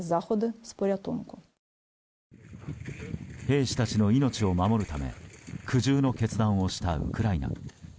兵士たちの命を守るため苦渋の決断をしたウクライナ。